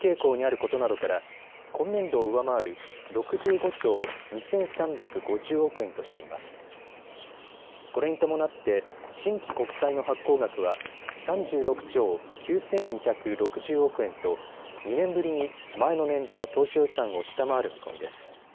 これに伴って新規国債の発行額は３６兆９２６０億円と２年ぶりに前の年度の当初予算を下回る見込みです。